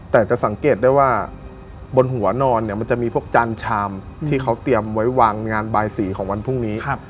แต่จะสังเกตได้ว่าบนหัวนอนเนี่ยมันจะมีพวกจานชามที่เขาเตรียมไว้วางงานบายสีของวันพรุ่งนี้